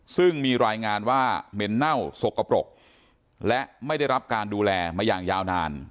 ซึ่งมีรายงานว่าเหม็นเน่าสกปรกและไม่ได้รับการดูแลมาอย่างยาวนาน